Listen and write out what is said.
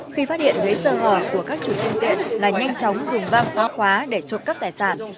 khi phát hiện lưới sơ hở của các chủ trung tiện là nhanh chóng dùng vang quá khóa để trộm cắp tài sản